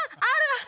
ある！